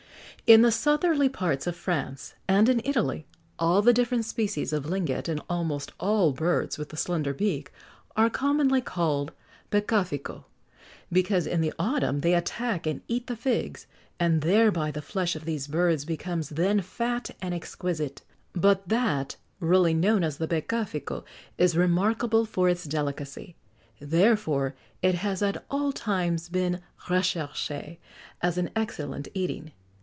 "In the southerly parts of France, and in Italy, all the different species of linget, and almost all birds with a slender beak, are commonly called becafico, because in the autumn they attack and eat the figs, and thereby the flesh of these birds becomes then fat and exquisite; but that really known as the becafico is remarkable for its delicacy; therefore it has at all times been recherché as an excellent eating.